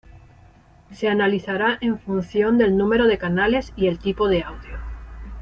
Se analizará en función del número de canales y el tipo de audio.